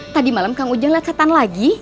tadi malam kang ujang liat setan lagi